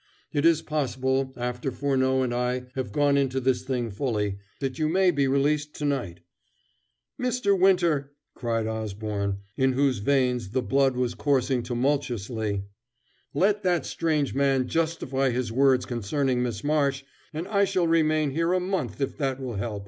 It is possible, after Furneaux and I have gone into this thing fully, that you may be released to night " "Mr. Winter," cried Osborne, in whose veins the blood was coursing tumultuously, "let that strange man justify his words concerning Miss Marsh, and I shall remain here a month if that will help."